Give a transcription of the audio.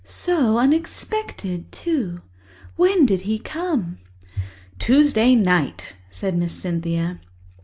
So unexpected, too! When did he come?" "Tuesday night," said Miss Cynthia.